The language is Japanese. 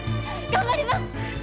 頑張ります！